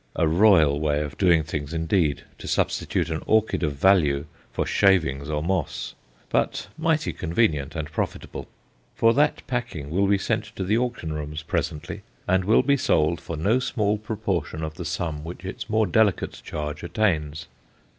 A royal way of doing things indeed to substitute an orchid of value for shavings or moss, but mighty convenient and profitable. For that packing will be sent to the auction rooms presently, and will be sold for no small proportion of the sum which its more delicate charge attains.